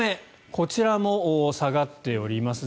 こちらも下がっております。